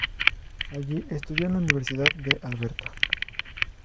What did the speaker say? Allí estudió en la Universidad de Alberta.